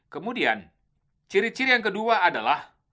kemudian ciri ciri yang kedua adalah